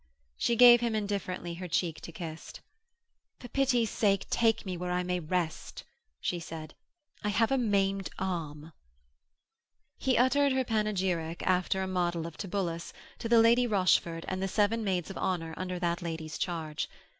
She gave him indifferently her cheek to kiss. 'For pity's sake take me where I may rest,' she said, 'I have a maimed arm.' He uttered her panegyric, after a model of Tibullus, to the Lady Rochford and the seven maids of honour under that lady's charge.